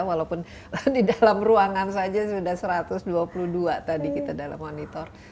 walaupun di dalam ruangan saja sudah satu ratus dua puluh dua tadi kita dalam monitor